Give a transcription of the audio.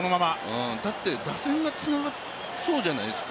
だって、打線がつながってそうじゃないですか。